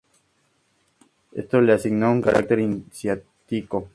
Esto le asigna un carácter iniciático.